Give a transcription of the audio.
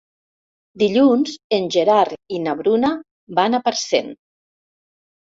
Dilluns en Gerard i na Bruna van a Parcent.